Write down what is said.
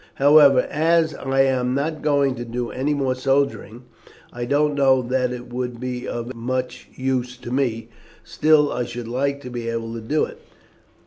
However, as I am not going to do any more soldiering, I don't know that it would be of much use to me; still I should like to be able to do it."